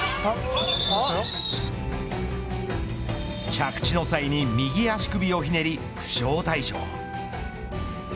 着地の際に右足首をひねり負傷退場。